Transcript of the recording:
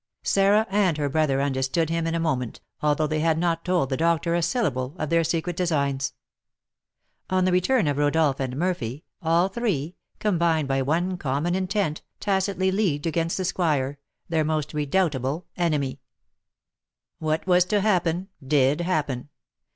Sarah and her brother understood him in a moment, although they had not told the doctor a syllable of their secret designs. On the return of Rodolph and Murphy, all three, combined by one common intent, tacitly leagued against the squire, their most redoubtable enemy. What was to happen did happen.